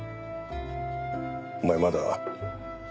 お前まだ。